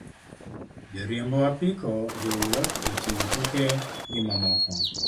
Joriembo apiko, jowuoth, jotimo tuke, gi mamoko.